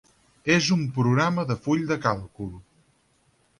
És un programa de full de càlcul.